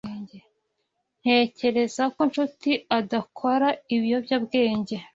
Ntekereza ko Nshuti adakora ibiyobyabwenge.